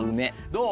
どう？